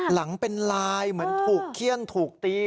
หลังเป็นลายเหมือนถูกเขี้ยนถูกตี